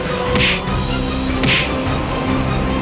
saya akan menjaga kebenaran raden